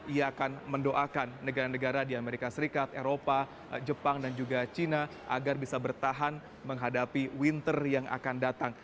ia akan mendoakan negara negara di amerika serikat eropa jepang dan juga china agar bisa bertahan menghadapi winter yang akan datang